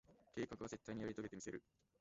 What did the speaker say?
計画は、絶対にやり遂げてみせる。